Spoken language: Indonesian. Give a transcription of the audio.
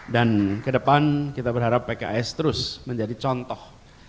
dan kedepan kita berharap pks terus menjadi contoh